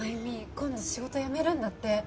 今度仕事辞めるんだって。